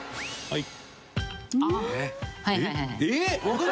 はい。